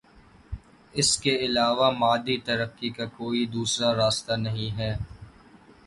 اس کے علاوہ مادی ترقی کا کوئی دوسرا راستہ نہیں ہے۔